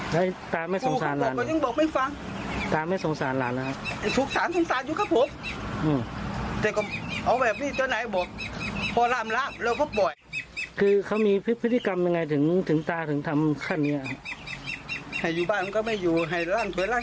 แล้วตาไม่สงสารหลานบอกแล้วยังบอกไม่ฟัง